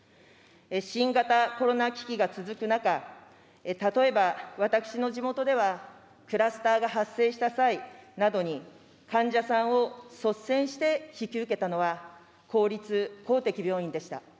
新型コロナ危機が続く中、例えば私の地元では、クラスターが発生した際などに、患者さんを率先して引き受けたのは、公立・公的病院でした。